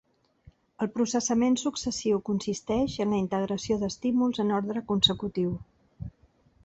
El processament successiu consisteix en la integració d'estímuls en ordre consecutiu.